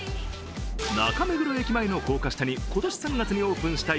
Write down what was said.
中目黒駅前の高架下に今年３月にオープンした